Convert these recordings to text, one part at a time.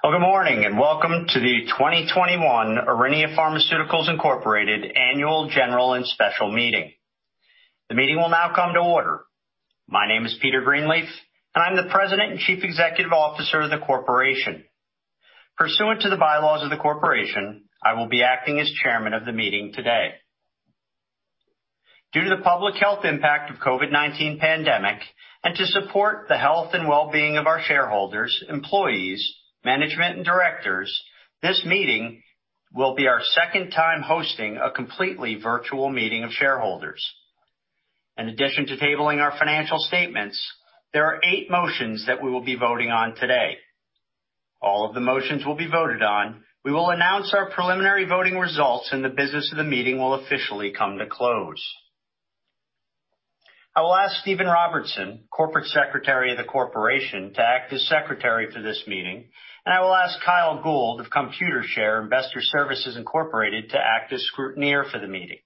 Good morning, welcome to the 2021 Aurinia Pharmaceuticals Inc annual general and special meeting. The meeting will now come to order. My name is Peter Greenleaf, and I'm the President and Chief Executive Officer of the corporation. Pursuant to the bylaws of the corporation, I will be acting as Chairman of the meeting today. Due to the public health impact of COVID-19 pandemic and to support the health and wellbeing of our shareholders, employees, management, and directors, this meeting will be our second time hosting a completely virtual meeting of shareholders. In addition to tabling our financial statements, there are eight motions that we will be voting on today. All of the motions will be voted on. We will announce our preliminary voting results, and the business of the meeting will officially come to close. I'll ask Stephen Robertson, Corporate Secretary of the corporation, to act as Secretary for this meeting, and I will ask Kyle Gould of Computershare Investor Services Inc to act as Scrutineer for the meeting.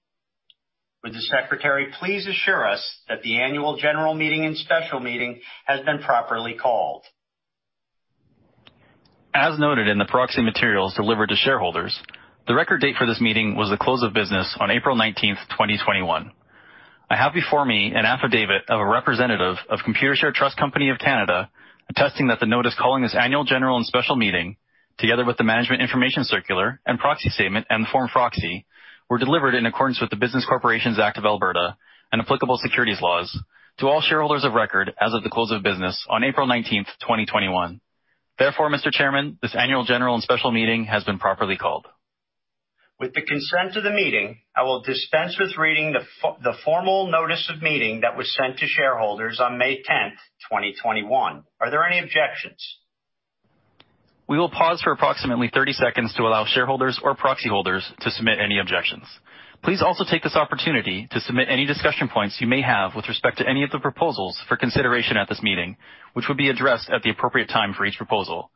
Would the secretary please assure us that the annual general meeting and special meeting has been properly called? As noted in the proxy materials delivered to shareholders, the record date for this meeting was the close of business on April 19th, 2021. I have before me an affidavit of a representative of Computershare Trust Company of Canada, attesting that the notice calling this annual general and special meeting, together with the management information circular and proxy statement and form proxy, were delivered in accordance with the Business Corporations Act of Alberta and applicable securities laws to all shareholders of record as of the close of business on April 19th, 2021. Mr. Chairman, this annual general and special meeting has been properly called. With the consent of the meeting, I will dispense with reading the formal notice of meeting that was sent to shareholders on May 10th, 2021. Are there any objections? We will pause for approximately 30 seconds to allow shareholders or proxy holders to submit any objections. Please also take this opportunity to submit any discussion points you may have with respect to any of the proposals for consideration at this meeting, which will be addressed at the appropriate time for each proposal.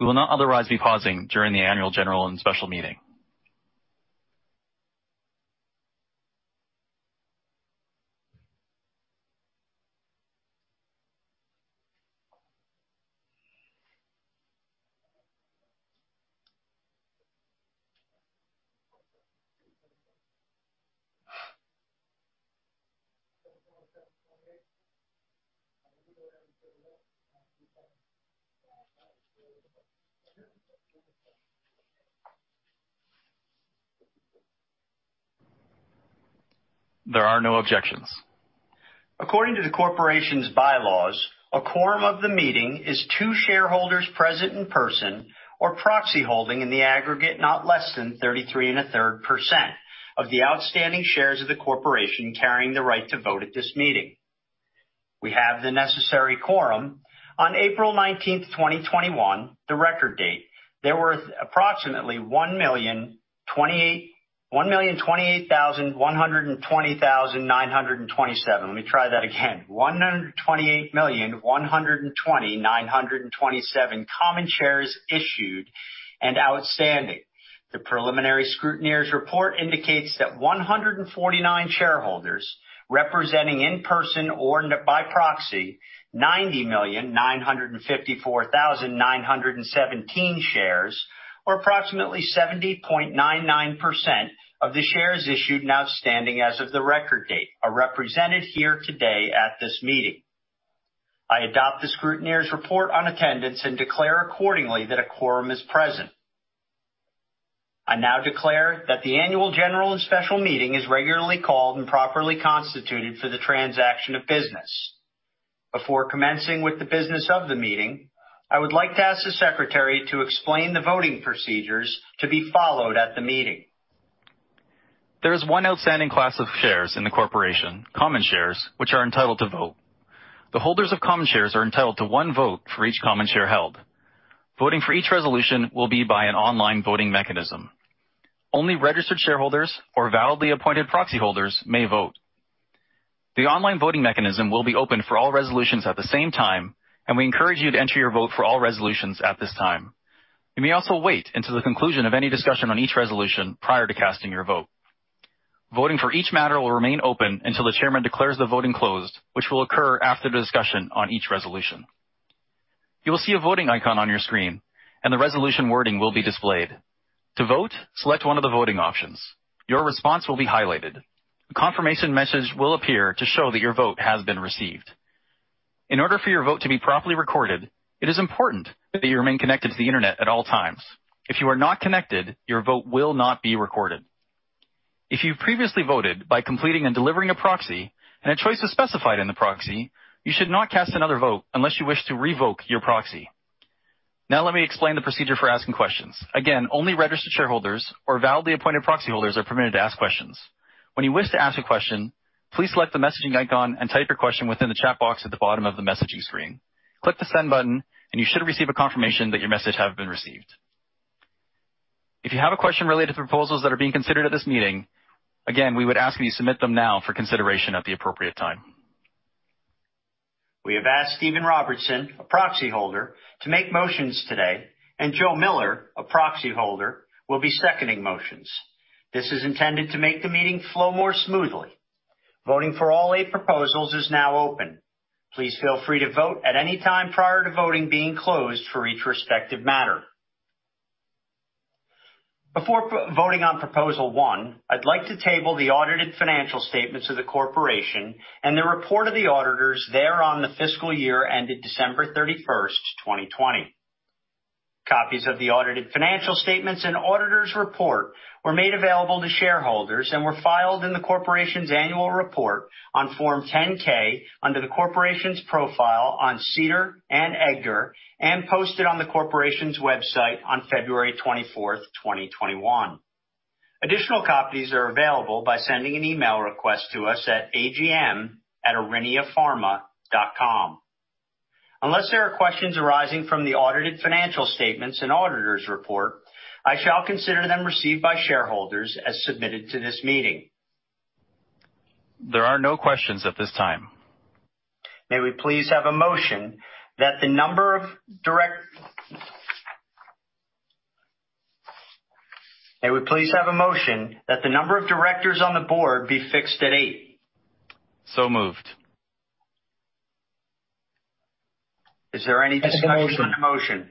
We will not otherwise be pausing during the annual general and special meeting. There are no objections. According to the corporation's bylaws, a quorum of the meeting is two shareholders present in person or proxy holding in the aggregate not less than 33.3% of the outstanding shares of the corporation carrying the right to vote at this meeting. We have the necessary quorum. On April 19th, 2021, the record date, there were approximately 128,120,927. Let me try that again, 128,120,927 common shares issued and outstanding. The preliminary Scrutineer report indicates that 149 shareholders, representing in person or by proxy 90,954,917 shares or approximately 70.99% of the shares issued and outstanding as of the record date are represented here today at this meeting. I adopt the Scrutineer's report on attendance and declare accordingly that a quorum is present. I now declare that the annual general and special meeting is regularly called and properly constituted for the transaction of business. Before commencing with the business of the meeting, I would like to ask the secretary to explain the voting procedures to be followed at the meeting. There is one outstanding class of shares in the corporation, common shares, which are entitled to vote. The holders of common shares are entitled to one vote for each common share held. Voting for each resolution will be by an online voting mechanism. Only registered shareholders or validly appointed proxy holders may vote. The online voting mechanism will be open for all resolutions at the same time, and we encourage you to enter your vote for all resolutions at this time. You may also wait until the conclusion of any discussion on each resolution prior to casting your vote. Voting for each matter will remain open until the Chairman declares the voting closed, which will occur after the discussion on each resolution. You'll see a voting icon on your screen, and the resolution wording will be displayed. To vote, select one of the voting options. Your response will be highlighted. A confirmation message will appear to show that your vote has been received. In order for your vote to be properly recorded, it is important that you remain connected to the internet at all times. If you are not connected, your vote will not be recorded. If you previously voted by completing and delivering a proxy and a choice is specified in the proxy, you should not cast another vote unless you wish to revoke your proxy. Now let me explain the procedure for asking questions. Again, only registered shareholders or validly appointed proxy holders are permitted to ask questions. When you wish to ask a question, please select the messaging icon and type your question within the chat box at the bottom of the messaging screen. Click the send button, and you should receive a confirmation that your message has been received. If you have a question related to proposals that are being considered at this meeting, again, we would ask that you submit them now for consideration at the appropriate time. We have asked Stephen Robertson, a proxy holder, to make motions today, and Joe Miller, a proxy holder, will be seconding motions. This is intended to make the meeting flow more smoothly. Voting for all eight proposals is now open. Please feel free to vote at any time prior to voting being closed for each respective matter. Before voting on Proposal 1, I'd like to table the audited financial statements of the corporation and the report of the auditors thereon the fiscal year ended December 31st, 2020. Copies of the audited financial statements and auditor's report were made available to shareholders and were filed in the corporation's annual report on Form 10-K under the corporation's profile on SEDAR and EDGAR, and posted on the corporation's website on February 24th, 2021. Additional copies are available by sending an email request to us at agm@auriniapharma.com. Unless there are questions arising from the audited financial statements and auditor's report, I shall consider them received by shareholders as submitted to this meeting. There are no questions at this time. May we please have a motion that the number of directors on the Board be fixed at eight? So moved. Is there any discussion on the motion?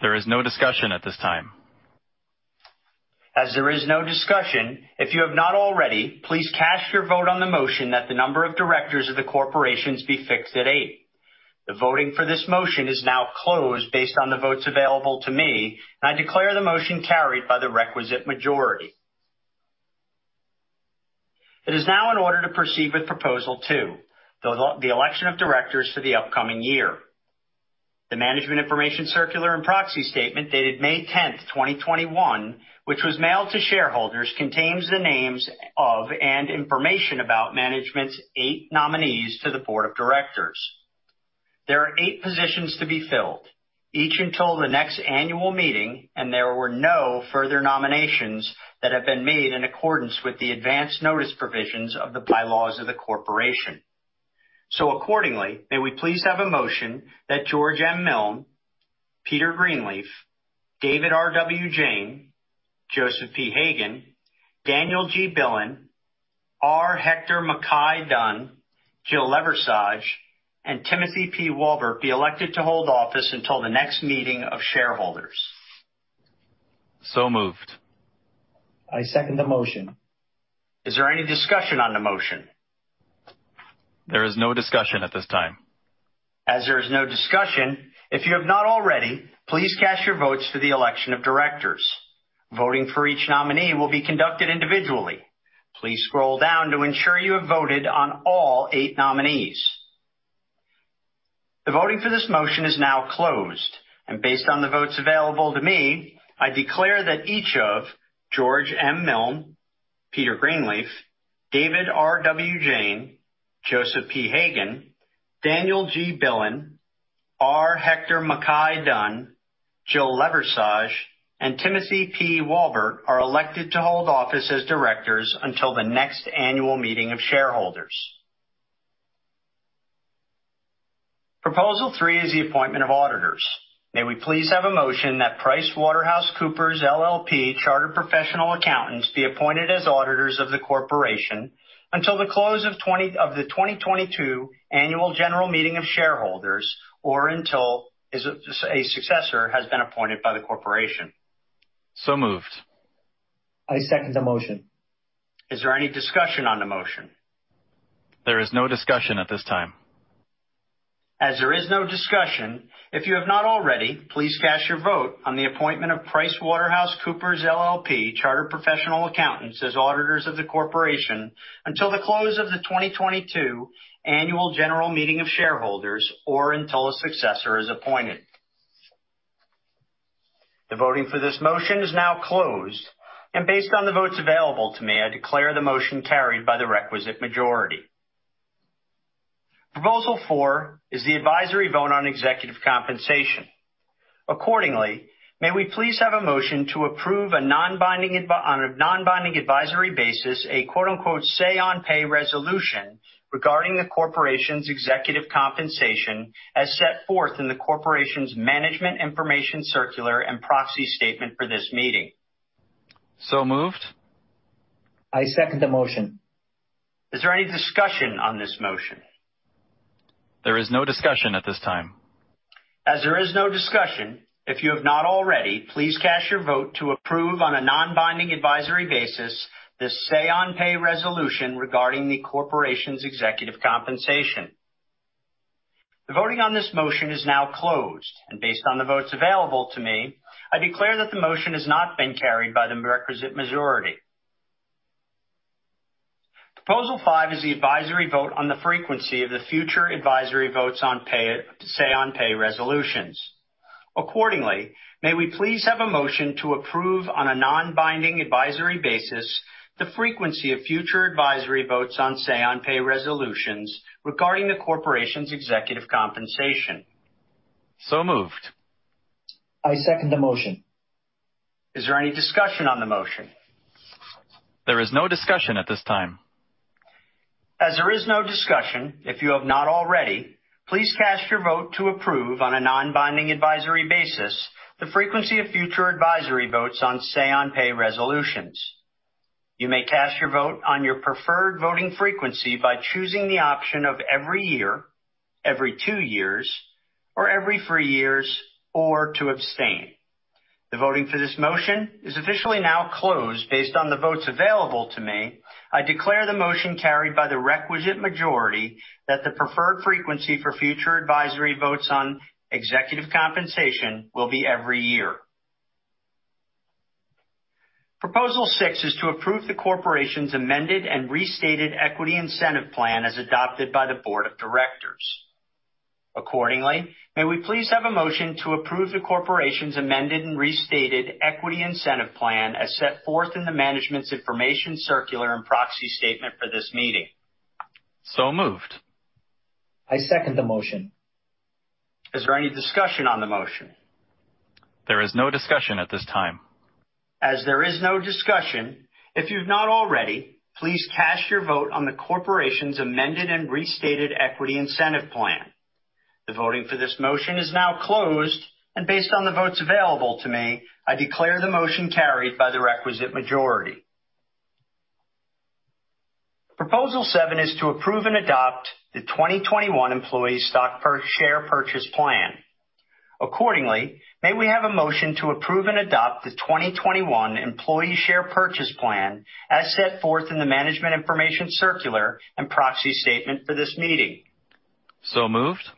There is no discussion at this time. As there is no discussion, if you have not already, please cast your vote on the motion that the number of directors of the corporations be fixed at eight. The voting for this motion is now closed based on the votes available to me, and I declare the motion carried by the requisite majority. It is now in order to proceed with Proposal 2, the election of directors for the upcoming year. The management information circular and proxy statement dated May 10th, 2021, which was mailed to shareholders, contains the names of and information about management's eight nominees to the Board of Directors. There are eight positions to be filled, each until the next annual meeting, and there were no further nominations that have been made in accordance with the advance notice provisions of the bylaws of the corporation. Accordingly, may we please have a motion that George M. Milne, Peter Greenleaf, David R.W. Jayne, Joseph P. Hagan, Daniel G. Billen, R. Hector MacKay-Dunn, Jill Leversage, and Timothy P. Walbert be elected to hold office until the next meeting of shareholders. So moved. I second the motion. Is there any discussion on the motion? There is no discussion at this time. As there is no discussion, if you have not already, please cast your votes for the election of directors. Voting for each nominee will be conducted individually. Please scroll down to ensure you have voted on all eight nominees. The voting for this motion is now closed, and based on the votes available to me, I declare that each of George M. Milne, Jr., Peter Greenleaf, David R.W. Jayne, Joseph P. Hagan, Daniel G. Billen, R. Hector MacKay-Dunn, Jill Leversage, and Timothy P. Walbert are elected to hold office as directors until the next annual meeting of shareholders. Proposal 3 is the appointment of auditors. May we please have a motion that PricewaterhouseCoopers LLP Chartered Professional Accountants be appointed as auditors of the corporation until the close of the 2022 annual general meeting of shareholders, or until a successor has been appointed by the corporation. So moved. I second the motion. Is there any discussion on the motion? There is no discussion at this time. As there is no discussion, if you have not already, please cast your vote on the appointment of PricewaterhouseCoopers LLP Chartered Professional Accountants as auditors of the corporation until the close of the 2022 annual general meeting of shareholders or until a successor is appointed. The voting for this motion is now closed, and based on the votes available to me, I declare the motion carried by the requisite majority. Proposal 4 is the advisory vote on executive compensation. Accordingly, may we please have a motion to approve on a non-binding advisory basis a "say on pay" resolution regarding the corporation's executive compensation as set forth in the corporation's management information circular and proxy statement for this meeting. So moved. I second the motion. Is there any discussion on this motion? There is no discussion at this time. As there is no discussion, if you have not already, please cast your vote to approve on a non-binding advisory basis the say on pay resolution regarding the corporation's executive compensation. The voting on this motion is now closed, and based on the votes available to me, I declare that the motion has not been carried by the requisite majority. Proposal 5 is the advisory vote on the frequency of the future advisory votes on say on pay resolutions. Accordingly, may we please have a motion to approve on a non-binding advisory basis the frequency of future advisory votes on say on pay resolutions regarding the corporation's executive compensation. So moved. I second the motion. Is there any discussion on the motion? There is no discussion at this time. As there is no discussion, if you have not already, please cast your vote to approve on a non-binding advisory basis the frequency of future advisory votes on say on pay resolutions. You may cast your vote on your preferred voting frequency by choosing the option of every year, every two years, or every three years, or to abstain. The voting for this motion is officially now closed. Based on the votes available to me, I declare the motion carried by the requisite majority that the preferred frequency for future advisory votes on executive compensation will be every year. Proposal 6 is to approve the corporation's amended and restated equity incentive plan as adopted by the Board of Directors. Accordingly, may we please have a motion to approve the corporation's amended and restated equity incentive plan as set forth in the management's information circular and proxy statement for this meeting. So moved. I second the motion. Is there any discussion on the motion? There is no discussion at this time. As there is no discussion, if you've not already, please cast your vote on the corporation's amended and restated equity incentive plan. The voting for this motion is now closed. Based on the votes available to me, I declare the motion carried by the requisite majority. Proposal 7 is to approve and adopt the 2021 employee stock share purchase plan. May we have a motion to approve and adopt the 2021 employee share purchase plan as set forth in the management information circular and proxy statement for this meeting. So moved.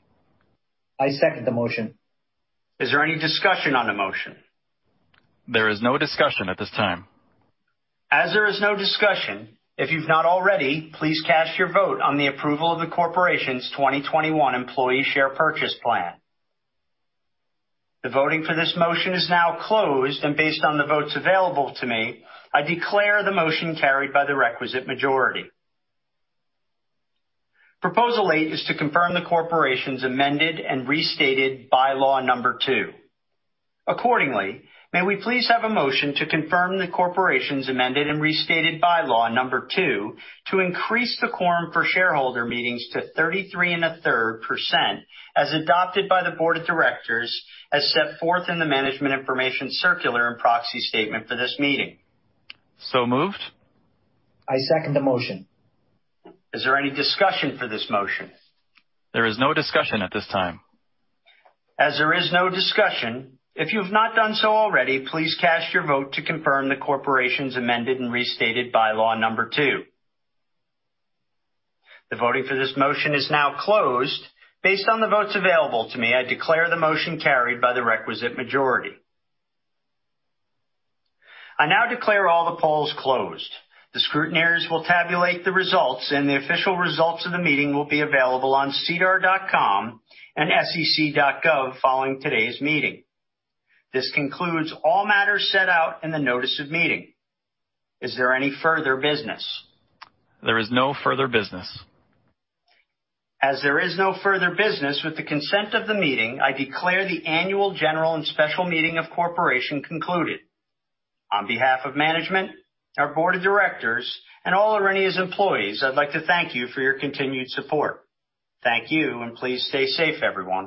I second the motion. Is there any discussion on the motion? There is no discussion at this time. As there is no discussion, if you've not already, please cast your vote on the approval of the corporation's 2021 employee share purchase plan. The voting for this motion is now closed, and based on the votes available to me, I declare the motion carried by the requisite majority. Proposal eight is to confirm the corporation's amended and restated Bylaw number 2. Accordingly, may we please have a motion to confirm the corporation's amended and restated Bylaw number 2 to increase the quorum for shareholder meetings to 33.3% as adopted by the Board of Directors as set forth in the Management Information Circular and Proxy Statement for this meeting. So moved. I second the motion. Is there any discussion for this motion? There is no discussion at this time. As there is no discussion, if you've not done so already, please cast your vote to confirm the corporation's amended and restated Bylaw number 2. The voting for this motion is now closed. Based on the votes available to me, I declare the motion carried by the requisite majority. I now declare all the polls closed. The scrutineers will tabulate the results, and the official results of the meeting will be available on sedar.com and sec.gov following today's meeting. This concludes all matters set out in the notice of meeting. Is there any further business? There is no further business. As there is no further business, with the consent of the meeting, I declare the annual general and special meeting of the corporation concluded. On behalf of management, our Board of Directors, and all Aurinia's employees, I'd like to thank you for your continued support. Thank you, and please stay safe, everyone.